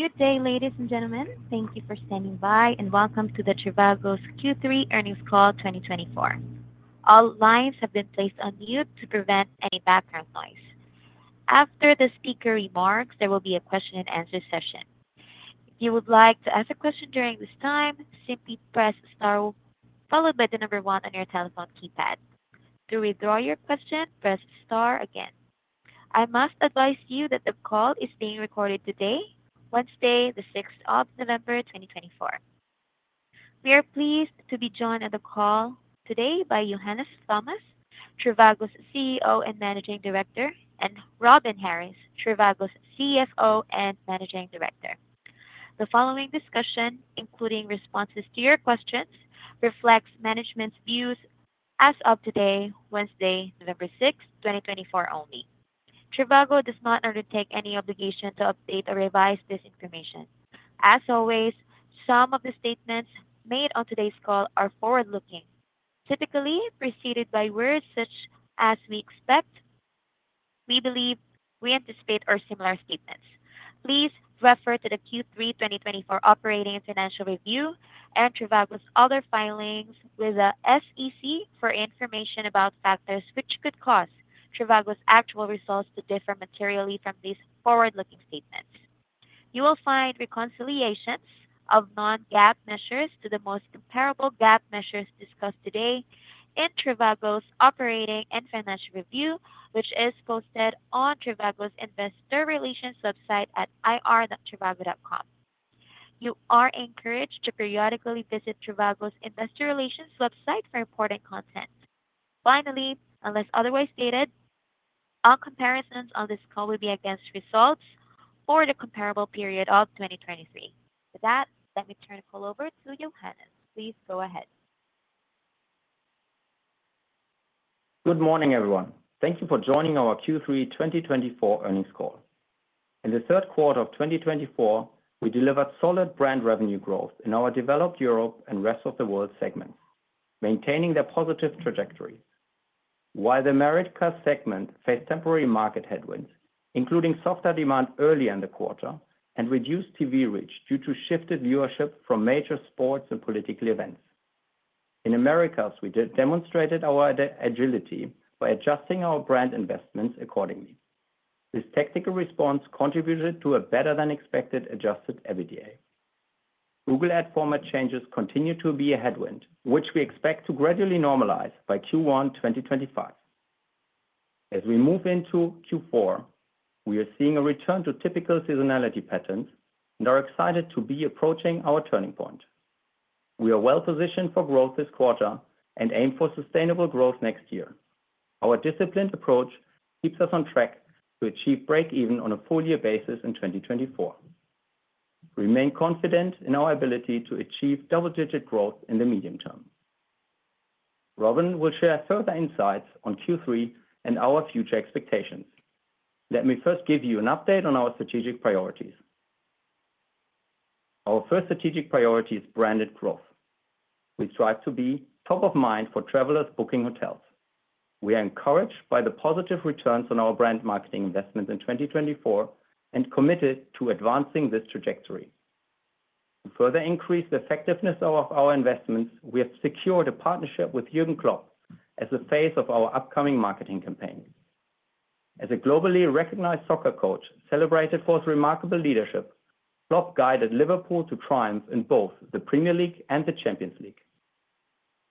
Good day, ladies and gentlemen. Thank you for standing by and welcome to Trivago's Q3 Earnings Call 2024. All lines have been placed on mute to prevent any background noise. After the speaker remarks, there will be a question-and-answer session. If you would like to ask a question during this time, simply press star, followed by the number one on your telephone keypad. To withdraw your question, press star again. I must advise you that the call is being recorded today, Wednesday, the 6th of November, 2024. We are pleased to be joined on the call today by Johannes Thomas, Trivago's CEO and Managing Director, and Robin Harries, Trivago's CFO and Managing Director. The following discussion, including responses to your questions, reflects management's views as of today, Wednesday, November 6th, 2024 only. Trivago does not undertake any obligation to update or revise this information. As always, some of the statements made on today's call are forward-looking, typically preceded by words such as, "We expect," "We believe," "We anticipate," or similar statements. Please refer to the Q3 2024 Operating and Financial Review and Trivago's other filings with the SEC for information about factors which could cause Trivago's actual results to differ materially from these forward-looking statements. You will find reconciliations of non-GAAP measures to the most comparable GAAP measures discussed today in Trivago's Operating and Financial Review, which is posted on Trivago's investor relations website at ir.trivago.com. You are encouraged to periodically visit Trivago's investor relations website for important content. Finally, unless otherwise stated, all comparisons on this call will be against results for the comparable period of 2023. With that, let me turn the call over to Johannes. Please go ahead. Good morning, everyone. Thank you for joining our Q3 2024 earnings call. In the third quarter of 2024, we delivered solid brand revenue growth in our Developed Europe and Rest of World segments, maintaining their positive trajectory. While the Americas segment faced temporary market headwinds, including softer demand early in the quarter and reduced TV reach due to shifted viewership from major sports and political events. In Americas, we demonstrated our agility by adjusting our brand investments accordingly. This technical response contributed to a better-than-expected Adjusted EBITDA. Google ad format changes continue to be a headwind, which we expect to gradually normalize by Q1 2025. As we move into Q4, we are seeing a return to typical seasonality patterns and are excited to be approaching our turning point. We are well-positioned for growth this quarter and aim for sustainable growth next year. Our disciplined approach keeps us on track to achieve break-even on a full-year basis in 2024. We remain confident in our ability to achieve double-digit growth in the medium term. Robin will share further insights on Q3 and our future expectations. Let me first give you an update on our strategic priorities. Our first strategic priority is branded Growth. We strive to be top of mind for travelers booking hotels. We are encouraged by the positive returns on our brand marketing investments in 2024 and committed to advancing this trajectory. To further increase the effectiveness of our investments, we have secured a partnership with Jürgen Klopp as the face of our upcoming marketing campaign. As a globally recognized soccer coach celebrated for his remarkable leadership, Klopp guided Liverpool to triumph in both the Premier League and the Champions League.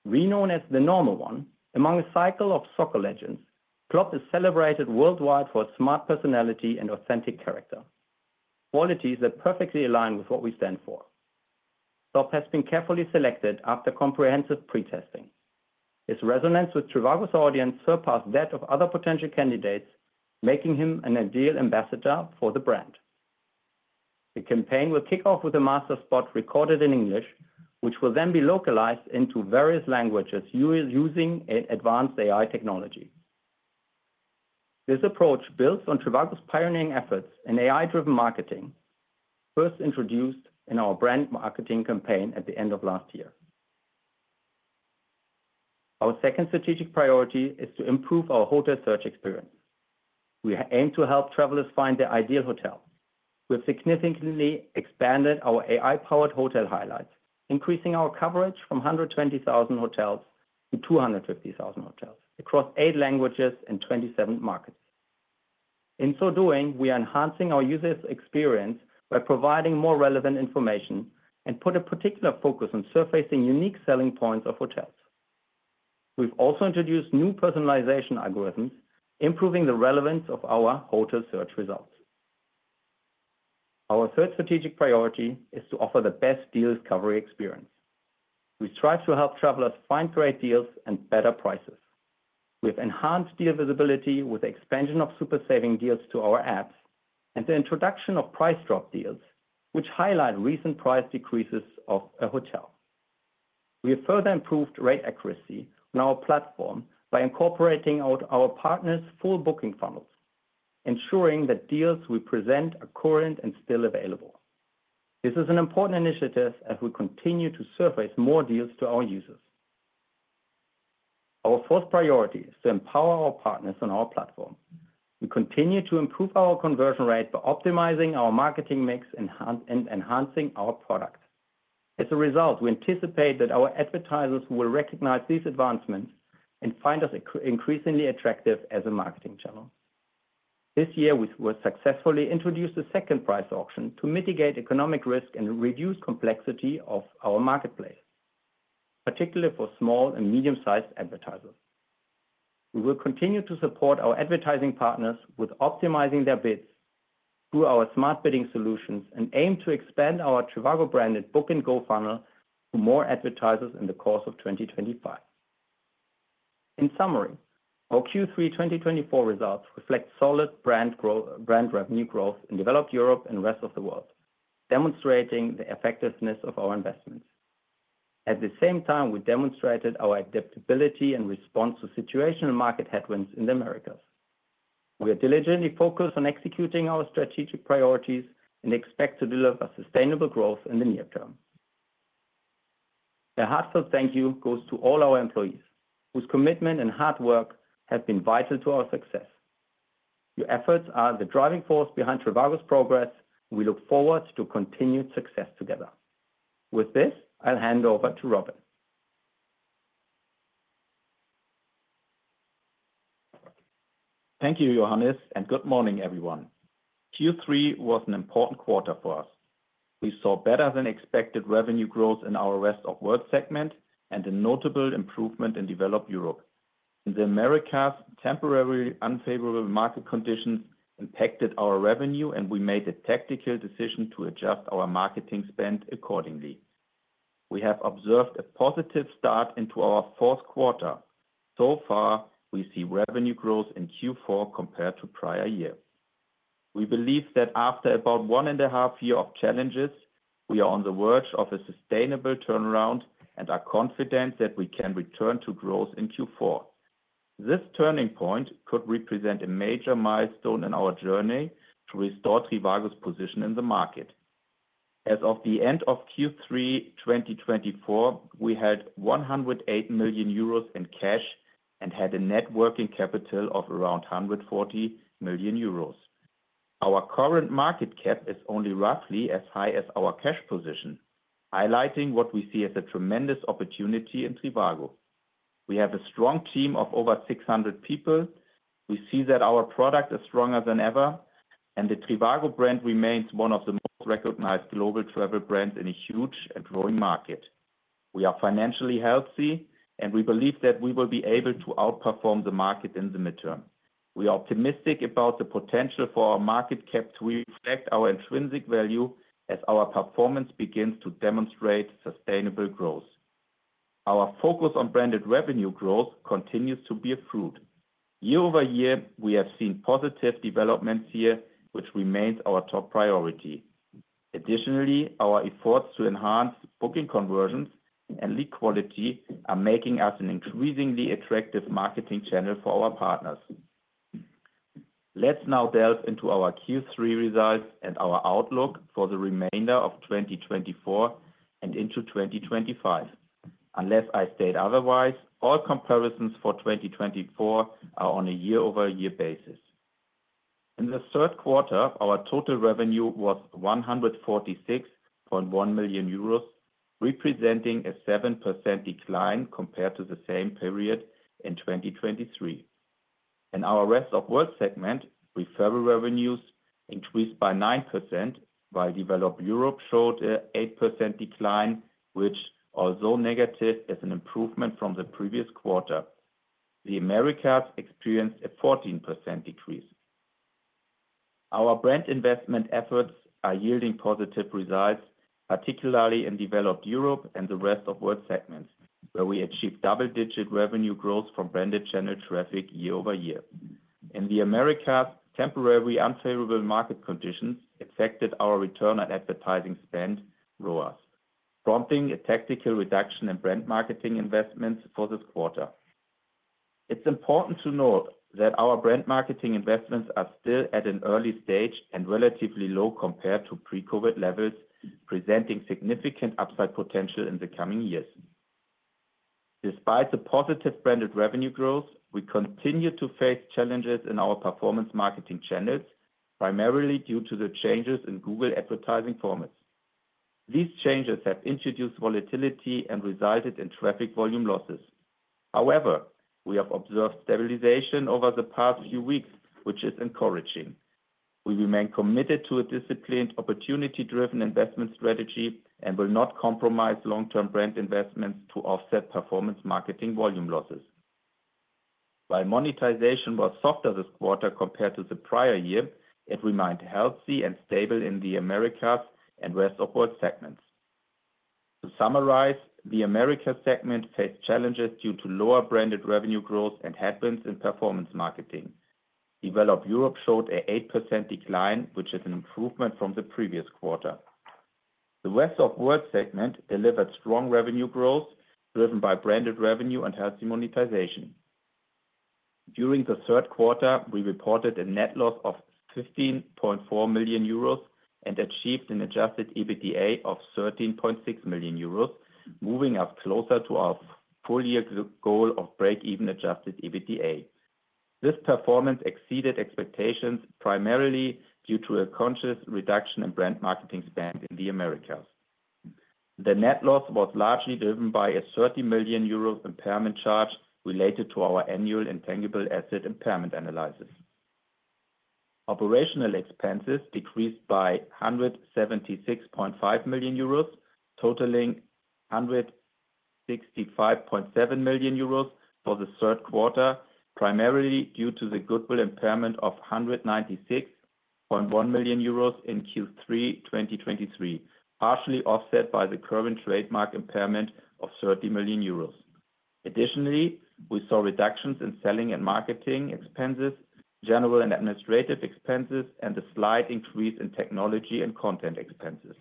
Renowned as The Normal One among a circle of soccer legends, Klopp is celebrated worldwide for his smart personality and authentic character, qualities that perfectly align with what we stand for. Klopp has been carefully selected after comprehensive pre-testing. His resonance with Trivago's audience surpassed that of other potential candidates, making him an ideal ambassador for the brand. The campaign will kick off with a master spot recorded in English, which will then be localized into various languages using advanced AI technology. This approach builds on Trivago's pioneering efforts in AI-driven marketing, first introduced in our brand marketing campaign at the end of last year. Our second strategic priority is to improve our hotel search experience. We aim to help travelers find their ideal hotel. We have significantly expanded our AI-powered hotel highlights, increasing our coverage from 120,000 hotels to 250,000 hotels across eight languages and 27 markets. In so doing, we are enhancing our user experience by providing more relevant information and putting a particular focus on surfacing unique selling points of hotels. We've also introduced new personalization algorithms, improving the relevance of our hotel search results. Our third strategic priority is to offer the best deals coverage experience. We strive to help travelers find great deals and better prices. We have enhanced deal visibility with the expansion of Super Saving Deals to our apps and the introduction of Price Drop Deals, which highlight recent price decreases of a hotel. We have further improved rate accuracy on our platform by incorporating our partners' full booking funnels, ensuring that deals we present are current and still available. This is an important initiative as we continue to surface more deals to our users. Our fourth priority is to empower our partners on our platform. We continue to improve our conversion rate by optimizing our marketing mix and enhancing our product. As a result, we anticipate that our advertisers will recognize these advancements and find us increasingly attractive as a marketing channel. This year, we successfully introduced a second price auction to mitigate economic risk and reduce the complexity of our marketplace, particularly for small and medium-sized advertisers. We will continue to support our advertising partners with optimizing their bids through our Smart Bidding solutions and aim to expand our Trivago-branded Book & Go funnel for more advertisers in the course of 2025. In summary, our Q3 2024 results reflect solid brand revenue growth in Developed Europe and the Rest of World, demonstrating the effectiveness of our investments. At the same time, we demonstrated our adaptability and response to situational market headwinds in the Americas. We are diligently focused on executing our strategic priorities and expect to deliver sustainable growth in the near term. A heartfelt thank you goes to all our employees, whose commitment and hard work have been vital to our success. Your efforts are the driving force behind Trivago's progress, and we look forward to continued success together. With this, I'll hand over to Robin. Thank you, Johannes, and good morning, everyone. Q3 was an important quarter for us. We saw better-than-expected revenue growth in our rest of the world segment and a notable improvement in developed Europe. In the Americas, temporary unfavorable market conditions impacted our revenue, and we made a tactical decision to adjust our marketing spend accordingly. We have observed a positive start into our fourth quarter. So far, we see revenue growth in Q4 compared to the prior year. We believe that after about one and a half years of challenges, we are on the verge of a sustainable turnaround and are confident that we can return to growth in Q4. This turning point could represent a major milestone in our journey to restore Trivago's position in the market. As of the end of Q3 2024, we had 108 million euros in cash and had a net working capital of around 140 million euros. Our current market cap is only roughly as high as our cash position, highlighting what we see as a tremendous opportunity in Trivago. We have a strong team of over 600 people. We see that our product is stronger than ever, and the Trivago brand remains one of the most recognized global travel brands in a huge and growing market. We are financially healthy, and we believe that we will be able to outperform the market in the midterm. We are optimistic about the potential for our market cap to reflect our intrinsic value as our performance begins to demonstrate sustainable growth. Our focus on branded revenue growth continues to bear fruit. year-over-year, we have seen positive developments here, which remains our top priority. Additionally, our efforts to enhance booking conversions and lead quality are making us an increasingly attractive marketing channel for our partners. Let's now delve into our Q3 results and our outlook for the remainder of 2024 and into 2025. Unless I state otherwise, all comparisons for 2024 are on a year-over-year basis. In the third quarter, our total revenue was 146.1 million euros, representing a 7% decline compared to the same period in 2023. In our rest of the world segment, referral revenues increased by 9%, while developed Europe showed an 8% decline, which, although negative, is an improvement from the previous quarter. The Americas experienced a 14% decrease. Our brand investment efforts are yielding positive results, particularly in developed Europe and the rest of the world segments, where we achieved double-digit revenue growth from branded channel traffic year-over-year. In the Americas, temporary unfavorable market conditions affected our return on advertising spend, ROAS, prompting a tactical reduction in brand marketing investments for this quarter. It's important to note that our brand marketing investments are still at an early stage and relatively low compared to pre-COVID levels, presenting significant upside potential in the coming years. Despite the positive branded revenue growth, we continue to face challenges in our performance marketing channels, primarily due to the changes in Google advertising formats. These changes have introduced volatility and resulted in traffic volume losses. However, we have observed stabilization over the past few weeks, which is encouraging. We remain committed to a disciplined, opportunity-driven investment strategy and will not compromise long-term brand investments to offset performance marketing volume losses. While monetization was softer this quarter compared to the prior year, it remained healthy and stable in the Americas and rest of the world segments. To summarize, the Americas segment faced challenges due to lower branded revenue growth and headwinds in performance marketing. Developed Europe showed an 8% decline, which is an improvement from the previous quarter. The rest of the world segment delivered strong revenue growth driven by branded revenue and healthy monetization. During the third quarter, we reported a net loss of 15.4 million euros and achieved an adjusted EBITDA of 13.6 million euros, moving us closer to our full-year goal of break-even adjusted EBITDA. This performance exceeded expectations primarily due to a conscious reduction in brand marketing spend in the Americas. The net loss was largely driven by a 30 million euros impairment charge related to our annual intangible asset impairment analysis. Operational expenses decreased by 176.5 million euros, totaling 165.7 million euros for the third quarter, primarily due to the goodwill impairment of 196.1 million euros in Q3 2023, partially offset by the current trademark impairment of 30 million euros. Additionally, we saw reductions in selling and marketing expenses, general and administrative expenses, and a slight increase in technology and content expenses.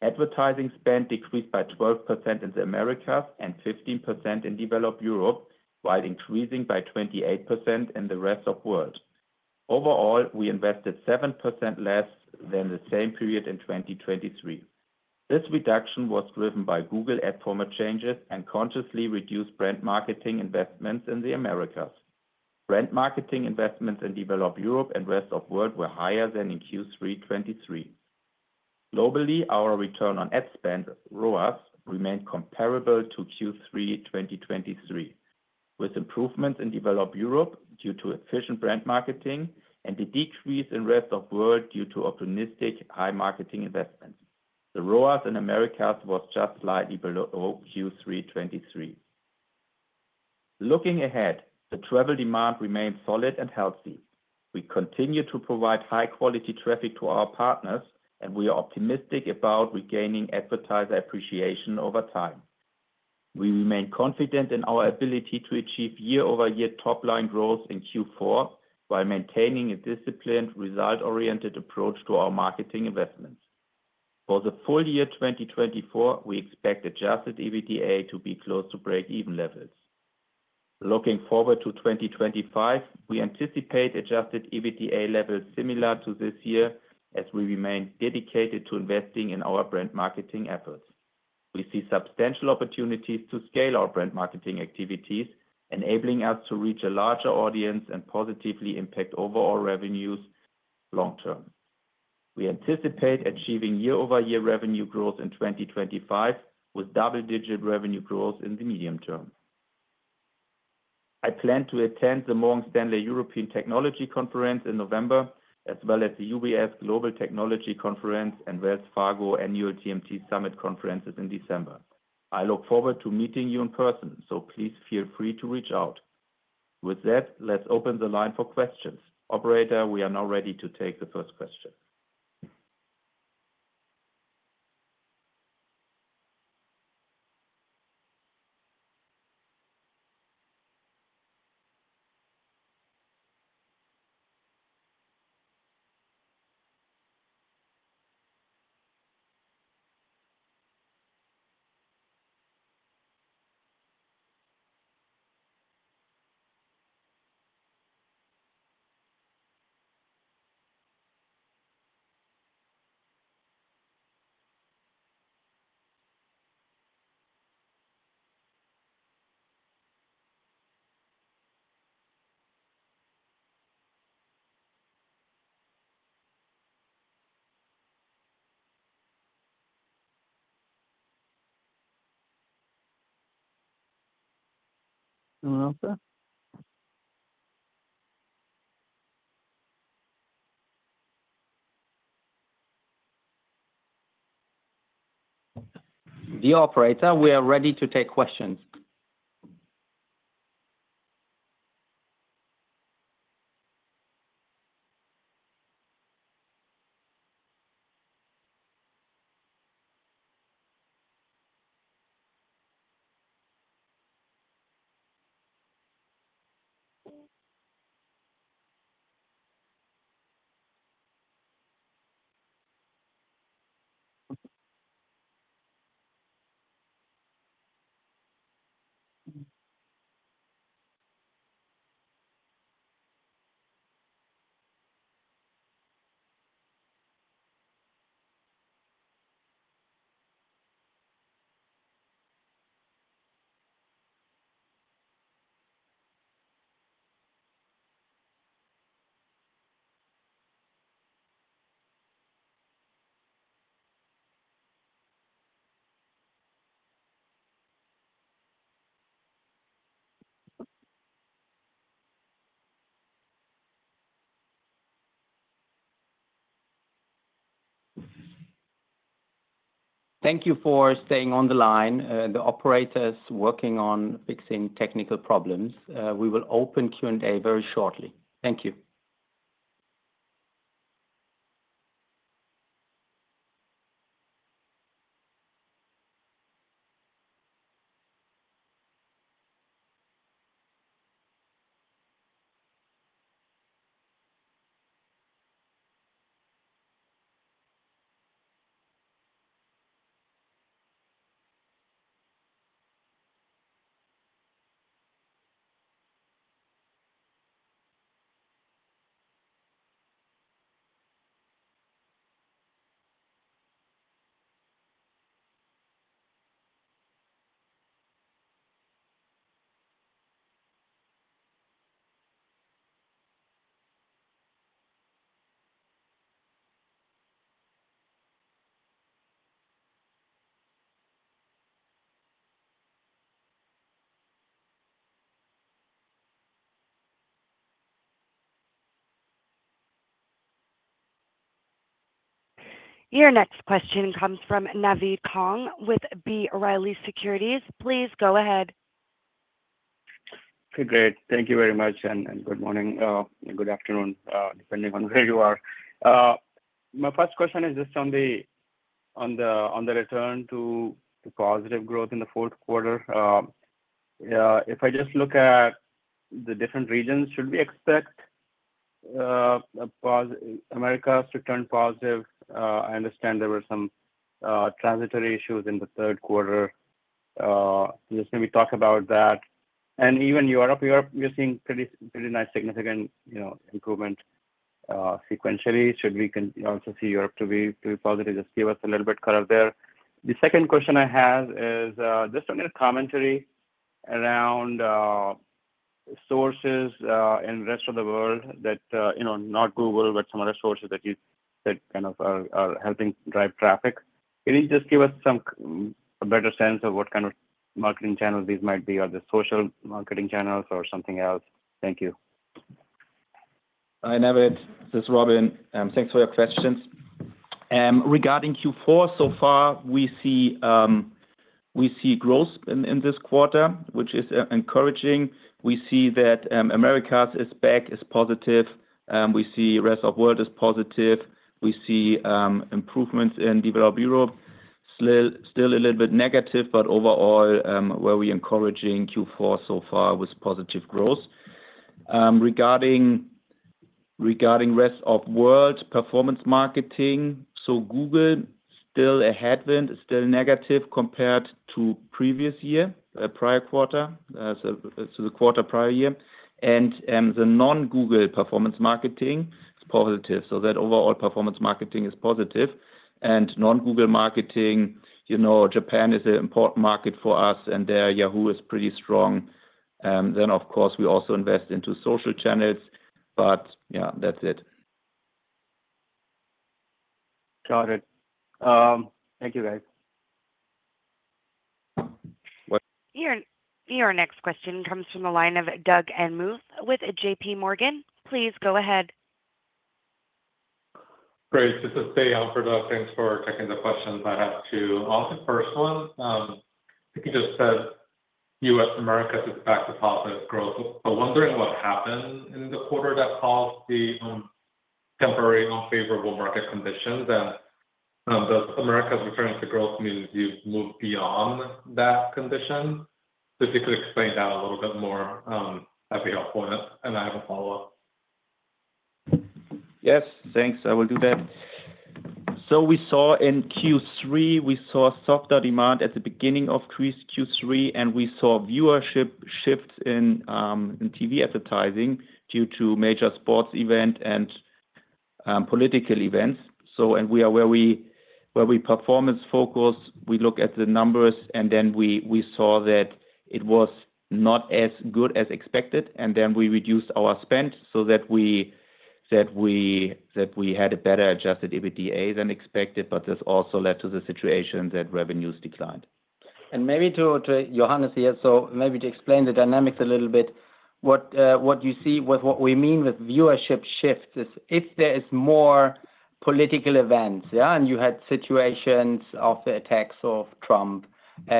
Advertising spend decreased by 12% in the Americas and 15% in developed Europe, while increasing by 28% in the rest of the world. Overall, we invested 7% less than the same period in 2023. This reduction was driven by Google ad format changes and consciously reduced brand marketing investments in the Americas. Brand marketing investments in developed Europe and rest of the world were higher than in Q3 2023. Globally, our return on ad spend, ROAS, remained comparable to Q3 2023, with improvements in Developed Europe due to efficient brand marketing and a decrease in Rest of World due to optimistic high marketing investments. The ROAS in Americas was just slightly below Q3 2023. Looking ahead, the travel demand remains solid and healthy. We continue to provide high-quality traffic to our partners, and we are optimistic about regaining advertiser appreciation over time. We remain confident in our ability to achieve year-over-year top-line growth in Q4 while maintaining a disciplined, result-oriented approach to our marketing investments. For the full year 2024, we expect adjusted EBITDA to be close to break-even levels. Looking forward to 2025, we anticipate adjusted EBITDA levels similar to this year, as we remain dedicated to investing in our brand marketing efforts. We see substantial opportunities to scale our brand marketing activities, enabling us to reach a larger audience and positively impact overall revenues long-term. We anticipate achieving year-over-year revenue growth in 2025, with double-digit revenue growth in the medium term. I plan to attend the Morgan Stanley European Technology Conference in November, as well as the UBS Global Technology Conference and Wells Fargo Annual TMT Summit Conferences in December. I look forward to meeting you in person, so please feel free to reach out. With that, let's open the line for questions. Operator, we are now ready to take the first question. The operator, we are ready to take questions. Thank you for staying on the line. The operator's working on fixing technical problems. We will open Q&A very shortly. Thank you. Your next question comes from Naved Khan with B. Riley Securities. Please go ahead. Okay, great. Thank you very much, and good morning or good afternoon, depending on where you are. My first question is just on the return to positive growth in the fourth quarter. If I just look at the different regions, should we expect Americas to turn positive? I understand there were some transitory issues in the third quarter. Just maybe talk about that. And even Europe, you're seeing pretty nice significant improvement sequentially. Should we also see Europe to be positive? Just give us a little bit of color there. The second question I have is just on your commentary around sources in the rest of the world, not Google, but some other sources that kind of are helping drive traffic. Can you just give us a better sense of what kind of marketing channels these might be, or the social marketing channels or something else? Thank you. Hi, Naved. This is Robin. Thanks for your questions. Regarding Q4, so far, we see growth in this quarter, which is encouraging. We see that Americas is back, is positive. We see the rest of the world is positive. We see improvements in developed Europe. Still a little bit negative, but overall, we're encouraging Q4 so far with positive growth. Regarding rest of the world performance marketing, so Google, still a headwind, still negative compared to the previous year, the prior quarter, so the quarter prior year, and the non-Google performance marketing is positive. So that overall performance marketing is positive, and non-Google marketing, Japan is an important market for us, and their Yahoo is pretty strong. Then, of course, we also invest into social channels, but yeah, that's it. Got it. Thank you, guys. Your next question comes from the line of Doug Anmuth with JPMorgan. Please go ahead. Great. Just to say, uh first, thanks for taking the questions. I have to ask the first one. You just said U.S. and Americas is back to positive growth. But wondering what happened in the quarter that caused the temporary unfavorable market conditions, and does Americas returning to growth mean you've moved beyond that condition? So if you could explain that a little bit more, that'd be helpful. And I have a follow-up. Yes, thanks. I will do that, so we saw in Q3, we saw softer demand at the beginning of Q3, and we saw viewership shifts in TV advertising due to major sports events and political events, and we are very performance-focused. We look at the numbers, and then we saw that it was not as good as expected, and then we reduced our spend so that we had a better Adjusted EBITDA than expected, but this also led to the situation that revenues declined. And maybe to Johannes here, so maybe to explain the dynamics a little bit. What you see with what we mean with viewership shifts is if there is more political events, and you had situations of the attacks on Trump,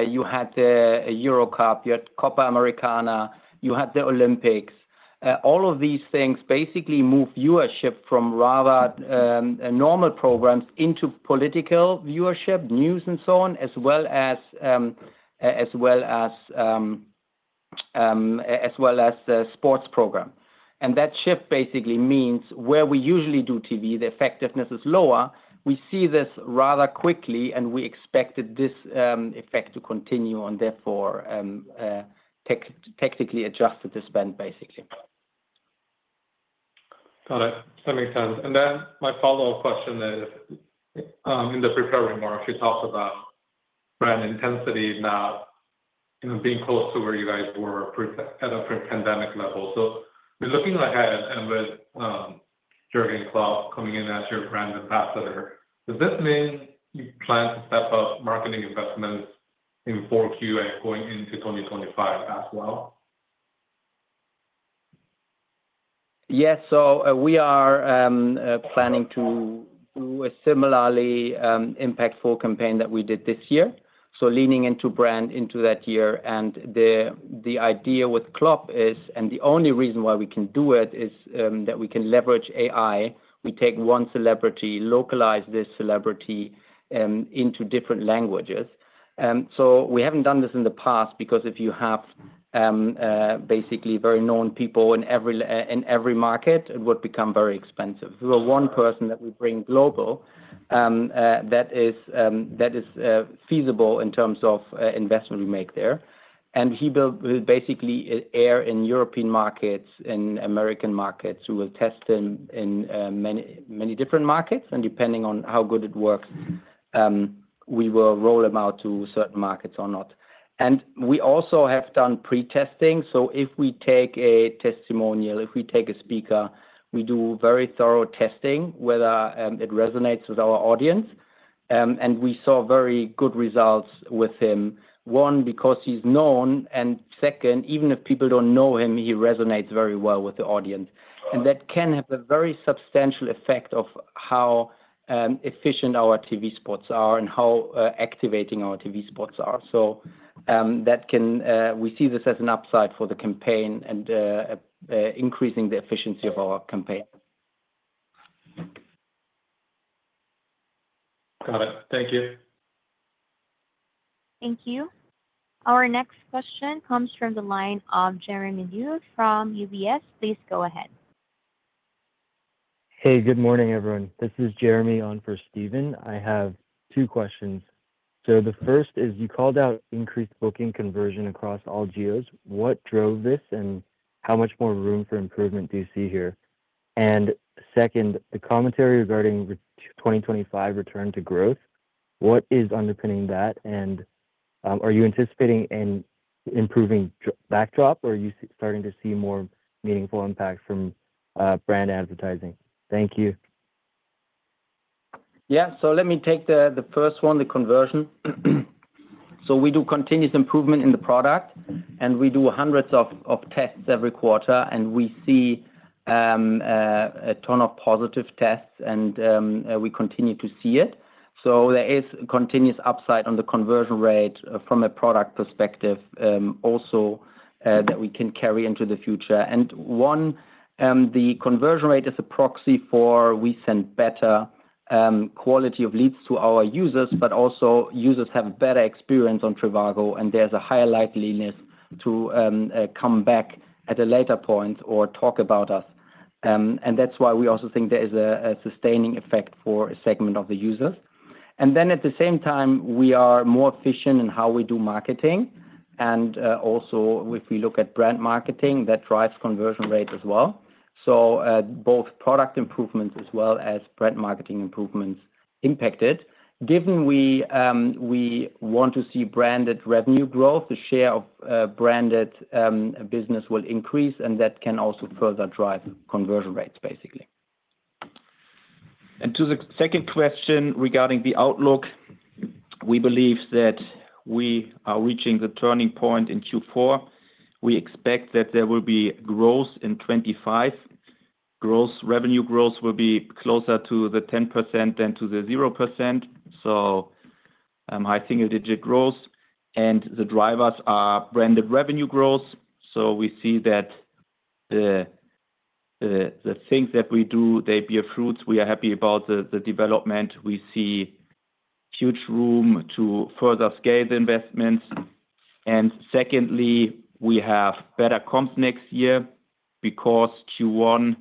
you had the Euro Cup, you had Copa América, you had the Olympics. All of these things basically move viewership from rather normal programs into political viewership, news, and so on, as well as the sports program. And that shift basically means where we usually do TV, the effectiveness is lower. We see this rather quickly, and we expected this effect to continue and therefore technically adjusted the spend, basically. Got it. That makes sense. And then my follow-up question is, in the prepared remarks, you talked about brand intensity now being close to where you guys were at a pre-pandemic level. So looking ahead and with Jürgen Klopp coming in as your brand ambassador, does this mean you plan to step up marketing investments in 4Q and going into 2025 as well? Yes, so we are planning to do a similarly impactful campaign that we did this year, so leaning into brand into that year, and the idea with Klopp is, and the only reason why we can do it is that we can leverage AI. We take one celebrity, localize this celebrity into different languages, so we haven't done this in the past because if you have basically very known people in every market, it would become very expensive. If we have one person that we bring global, that is feasible in terms of investment we make there, and he will basically air in European markets, in American markets. We will test him in many different markets, and depending on how good it works, we will roll him out to certain markets or not, and we also have done pre-testing. So if we take a testimonial, if we take a speaker, we do very thorough testing whether it resonates with our audience. And we saw very good results with him, one, because he's known, and second, even if people don't know him, he resonates very well with the audience. And that can have a very substantial effect on how efficient our TV spots are and how activating our TV spots are. So we see this as an upside for the campaign and increasing the efficiency of our campaign. Got it. Thank you. Thank you. Our next question comes from the line of Jeremy Nuth from UBS. Please go ahead. Hey, good morning, everyone. This is Jeremy on for Steven. I have two questions. So the first is, you called out increased booking conversion across all geos. What drove this, and how much more room for improvement do you see here? And second, the commentary regarding 2025 return to growth, what is underpinning that? And are you anticipating improving backdrop, or are you starting to see more meaningful impact from brand advertising? Thank you. Yeah. So let me take the first one, the conversion. So we do continuous improvement in the product, and we do hundreds of tests every quarter, and we see a ton of positive tests, and we continue to see it. So there is continuous upside on the conversion rate from a product perspective also that we can carry into the future. And one, the conversion rate is a proxy for we send better quality of leads to our users, but also users have a better experience on Trivago, and there's a higher likeliness to come back at a later point or talk about us. And that's why we also think there is a sustaining effect for a segment of the users. And then at the same time, we are more efficient in how we do marketing. And also, if we look at brand marketing, that drives conversion rate as well. Both product improvements as well as brand marketing improvements impact it. Given we want to see branded revenue growth, the share of branded business will increase, and that can also further drive conversion rates, basically. To the second question regarding the outlook, we believe that we are reaching the turning point in Q4. We expect that there will be growth in 2025. Revenue growth will be closer to the 10% than to the 0%, so high single-digit growth. And the drivers are branded revenue growth. So we see that the things that we do, they bear fruits. We are happy about the development. We see huge room to further scale the investments. And secondly, we have better comps next year because Q1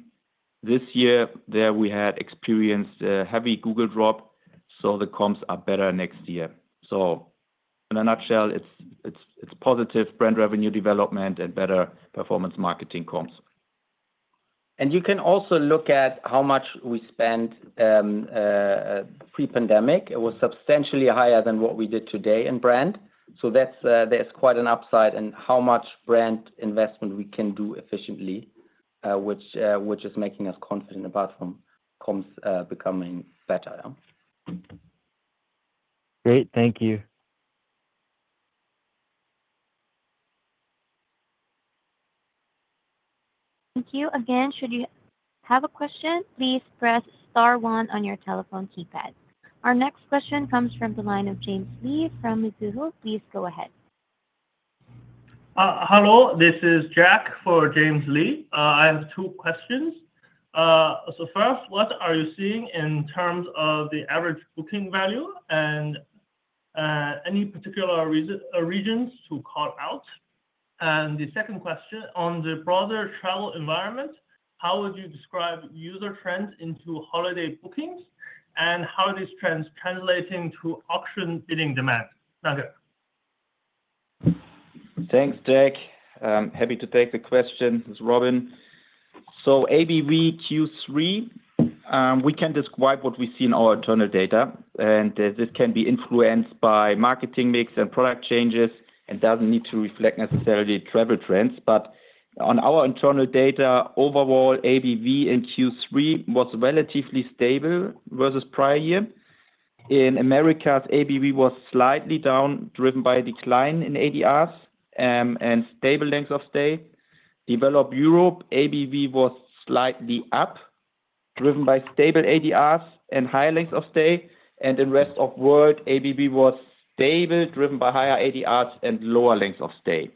this year, there we had experienced a heavy Google drop, so the comps are better next year. So in a nutshell, it's positive brand revenue development and better performance marketing comps. And you can also look at how much we spent pre-pandemic. It was substantially higher than what we did today in brand. So there's quite an upside in how much brand investment we can do efficiently, which is making us confident apart from comps becoming better. Great. Thank you. Thank you. Again, should you have a question, please press star one on your telephone keypad. Our next question comes from the line of James Lee from Mizuho. Please go ahead. Hello. This is Jack for James Lee. I have two questions. So first, what are you seeing in terms of the average booking value and any particular regions to call out? And the second question, on the broader travel environment, how would you describe user trends into holiday bookings, and how are these trends translating to auction bidding demand? Thanks, Jack. Happy to take the question. This is Robin. So ABV Q3, we can describe what we see in our internal data, and this can be influenced by marketing mix and product changes and doesn't need to reflect necessarily travel trends. But on our internal data, overall, ABV in Q3 was relatively stable versus prior year. In Americas, ABV was slightly down, driven by a decline in ADRs and stable lengths of stay. Developed Europe, ABV was slightly up, driven by stable ADRs and higher lengths of stay. And in Rest of World, ABV was stable, driven by higher ADRs and lower lengths of stay.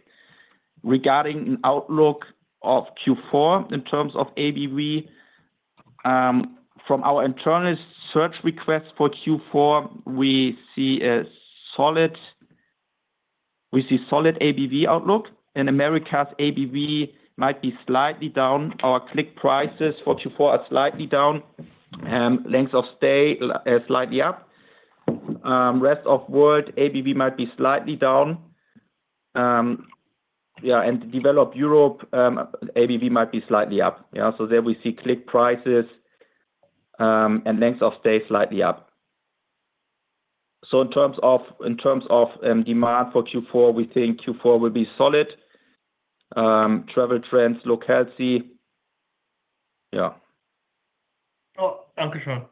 Regarding an outlook of Q4 in terms of ABV, from our internal search request for Q4, we see a solid ABV outlook. In Americas, ABV might be slightly down. Our click prices for Q4 are slightly down. Lengths of stay are slightly up. Rest of the World, ABV might be slightly down. Yeah. And Developed Europe, ABV might be slightly up. Yeah. So there we see click prices and lengths of stay slightly up. So in terms of demand for Q4, we think Q4 will be solid. Travel trends, locality. Yeah. Cool. Thank you, sir.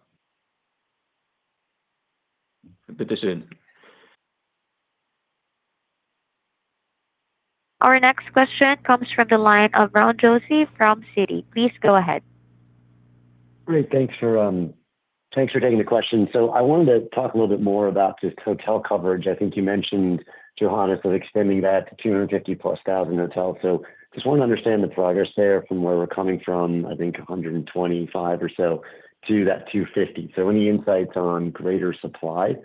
Repetition. Our next question comes from the line of Ron Josey from Citi. Please go ahead. Great. Thanks for taking the question. So I wanted to talk a little bit more about just hotel coverage. I think you mentioned, Johannes, of extending that to 250-plus thousand hotels. So just want to understand the progress there from where we're coming from, I think 125 or so, to that 250. So any insights on greater supply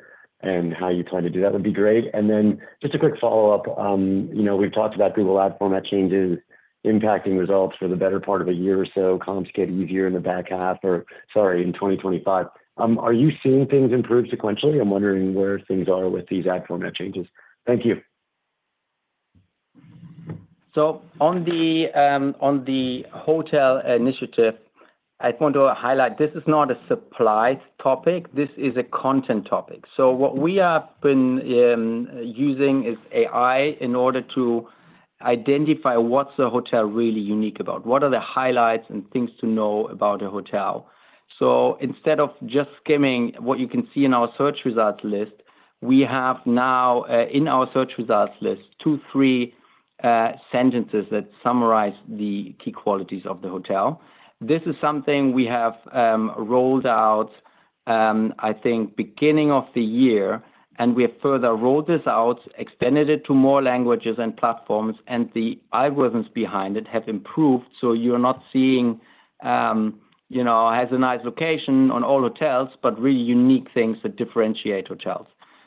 and how you plan to do that would be great. And then just a quick follow-up. We've talked about Google ad format changes impacting results for the better part of a year or so, comes get easier in the back half, or sorry, in 2025. Are you seeing things improve sequentially? I'm wondering where things are with these ad format changes. Thank you. So on the hotel initiative, I want to highlight this is not a supply topic. This is a content topic. So what we have been using is AI in order to identify what's really unique about a hotel, what are the highlights and things to know about a hotel. So instead of just skimming what you can see in our search results list, we have now in our search results list two or three sentences that summarize the key qualities of the hotel. This is something we have rolled out, I think, beginning of the year, and we have further rolled this out, extended it to more languages and platforms, and the algorithms behind it have improved. So you're not seeing it has a nice location on all hotels, but really unique things that differentiate hotels.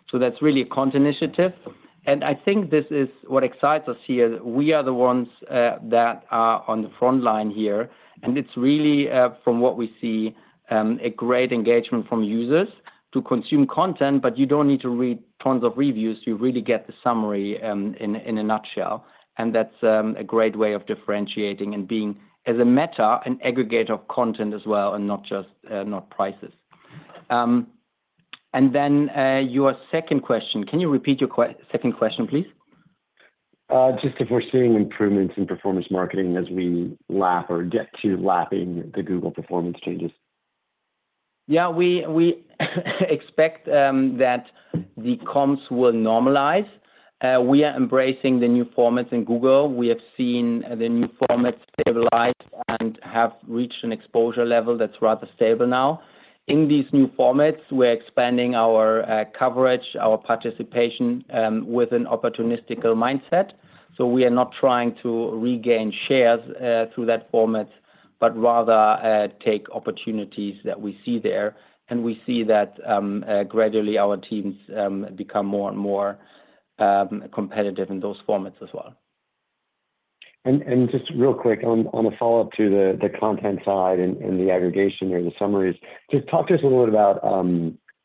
So that's really a content initiative. I think this is what excites us here. We are the ones that are on the front line here. It's really, from what we see, a great engagement from users to consume content, but you don't need to read tons of reviews. You really get the summary in a nutshell. That's a great way of differentiating and being as a meta, an aggregate of content as well, and not just prices. Then your second question, can you repeat your second question, please? Just if we're seeing improvements in performance marketing as we lap or get to lapping the Google performance changes. Yeah. We expect that the comps will normalize. We are embracing the new formats in Google. We have seen the new formats stabilize and have reached an exposure level that's rather stable now. In these new formats, we're expanding our coverage, our participation with an opportunistic mindset. So we are not trying to regain shares through that format, but rather take opportunities that we see there, and we see that gradually our teams become more and more competitive in those formats as well. And just real quick on a follow-up to the content side and the aggregation or the summaries, just talk to us a little bit about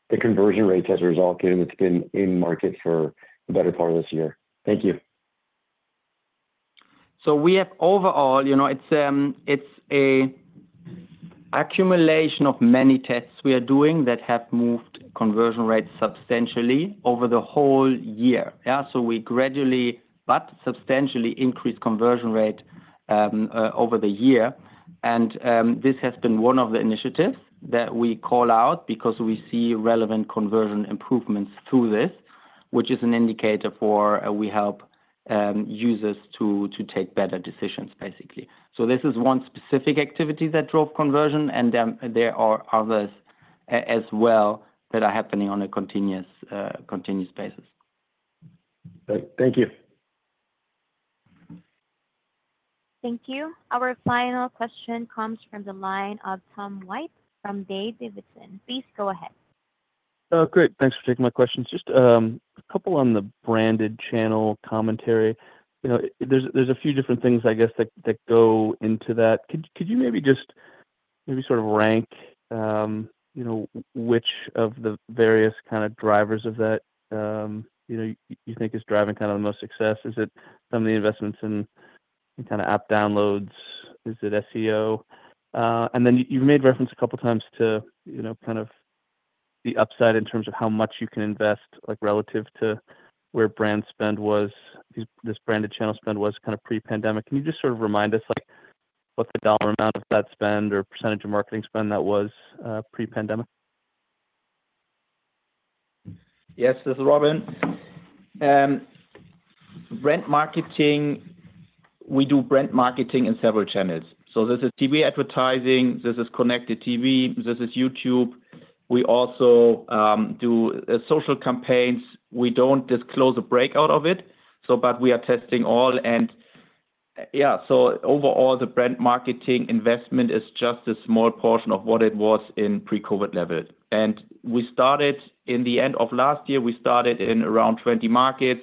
the conversion rates as a result, given it's been in market for the better part of this year. Thank you. So we have overall; it's an accumulation of many tests we are doing that have moved conversion rates substantially over the whole year. Yeah. So we gradually, but substantially increased conversion rate over the year. And this has been one of the initiatives that we call out because we see relevant conversion improvements through this, which is an indicator for we help users to take better decisions, basically. So this is one specific activity that drove conversion, and there are others as well that are happening on a continuous basis. Thank you. Thank you. Our final question comes from the line of Tom White from D.A. Davidson. Please go ahead. Great. Thanks for taking my questions. Just a couple on the branded channel commentary. There's a few different things, I guess, that go into that. Could you maybe just sort of rank which of the various kind of drivers of that you think is driving kind of the most success? Is it some of the investments in kind of app downloads? Is it SEO? And then you've made reference a couple of times to kind of the upside in terms of how much you can invest relative to where brand spend was, this branded channel spend was kind of pre-pandemic. Can you just sort of remind us what the dollar amount of that spend or percentage of marketing spend that was pre-pandemic? Yes. This is Robin. Brand marketing, we do brand marketing in several channels. So this is TV advertising. This is Connected TV. This is YouTube. We also do social campaigns. We don't disclose a breakout of it, but we are testing all. And yeah. So overall, the brand marketing investment is just a small portion of what it was in pre-COVID levels. And we started in the end of last year. We started in around 20 markets,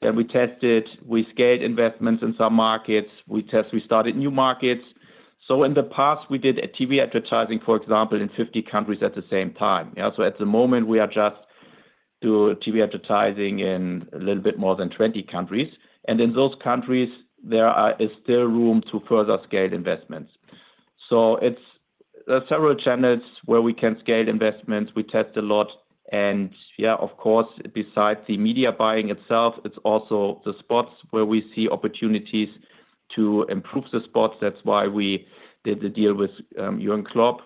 and we tested. We scaled investments in some markets. We tested. We started new markets. So in the past, we did TV advertising, for example, in 50 countries at the same time. Yeah. So at the moment, we are just doing TV advertising in a little bit more than 20 countries. And in those countries, there is still room to further scale investments. So there are several channels where we can scale investments. We test a lot, and yeah, of course, besides the media buying itself, it's also the spots where we see opportunities to improve the spots. That's why we did the deal with Jürgen Klopp.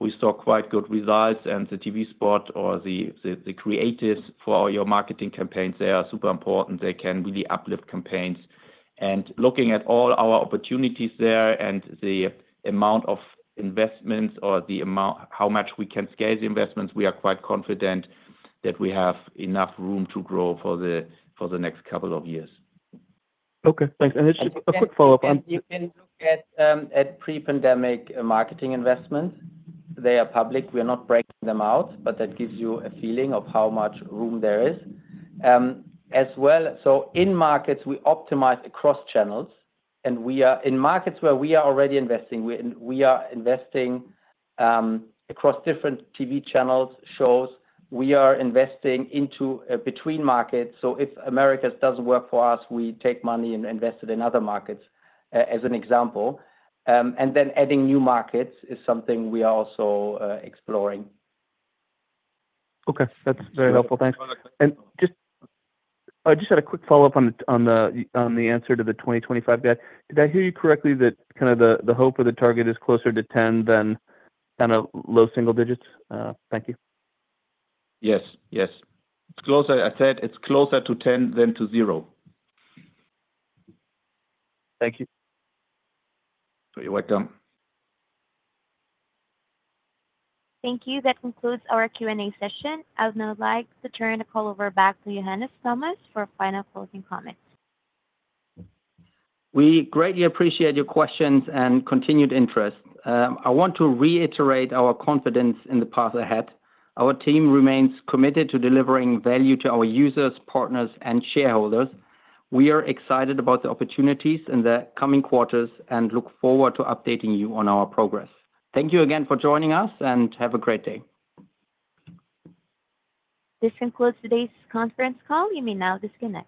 We saw quite good results, and the TV spot or the creatives for your marketing campaigns, they are super important. They can really uplift campaigns, and looking at all our opportunities there and the amount of investments or how much we can scale the investments, we are quite confident that we have enough room to grow for the next couple of years. Okay. Thanks. And it's just a quick follow-up. You can look at pre-pandemic marketing investments. They are public. We are not breaking them out, but that gives you a feeling of how much room there is. As well, so in markets, we optimize across channels. And in markets where we are already investing, we are investing across different TV channels, shows. We are investing between markets. So if Americas doesn't work for us, we take money and invest it in other markets, as an example. And then adding new markets is something we are also exploring. Okay. That's very helpful. Thanks. And just had a quick follow-up on the answer to the 2025 guide. Did I hear you correctly that kind of the hope or the target is closer to 10 than kind of low single digits? Thank you. Yes. Yes. I said it's closer to 10 than to 0. Thank you. You're welcome. Thank you. That concludes our Q&A session. I would now like to turn the call over back to Johannes Thomas for final closing comments. We greatly appreciate your questions and continued interest. I want to reiterate our confidence in the path ahead. Our team remains committed to delivering value to our users, partners, and shareholders. We are excited about the opportunities in the coming quarters and look forward to updating you on our progress. Thank you again for joining us, and have a great day. This concludes today's conference call. You may now disconnect.